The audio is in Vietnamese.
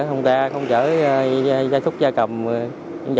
vận tải hàng hóa bằng container